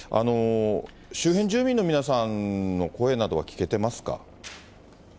周辺住民の皆さんの声などは聞けてますか。